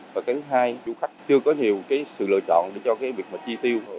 và cái thứ hai du khách chưa có nhiều cái sự lựa chọn để cho cái việc mà chi tiêu